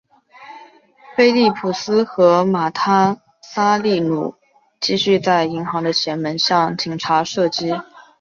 菲利普斯和马塔萨利努继续在银行的前门向警察射击。